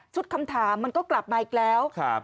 คำถามมันก็กลับมาอีกแล้ว